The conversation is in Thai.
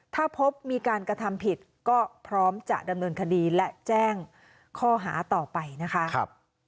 ถ้าพบมีการกระทำผิดก็พร้อมจะดำเนินคดีและแจ้งข้อหาต่อไปนะคะ